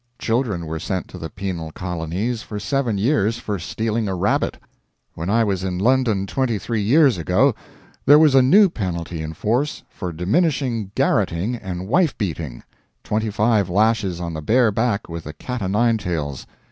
Children were sent to the penal colonies for seven years for stealing a rabbit! When I was in London twenty three years ago there was a new penalty in force for diminishing garroting and wife beating 25 lashes on the bare back with the cat o' nine tails.